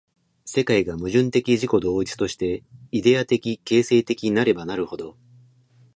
世界が矛盾的自己同一として、イデヤ的形成的なればなるほど、